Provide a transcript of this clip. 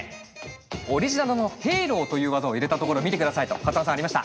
オリジナルのヘイローという技を入れたところを見て下さいとＫＡＴＳＵ１さんありました。